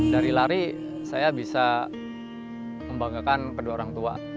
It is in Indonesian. dari lari saya bisa membanggakan kedua orang tua